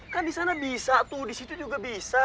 kan disana bisa tuh disitu juga bisa